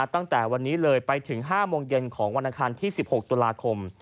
ตั้งแต่วันนี้เลยไปถึง๕โมงเย็นของวันอังคารที่๑๖ตุลาคม